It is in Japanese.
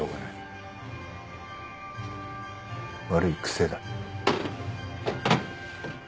悪い癖だ。